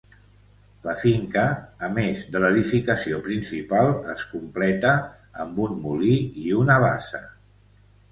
La finca, a més de l'edificació principal es completa amb un molí i una bassa.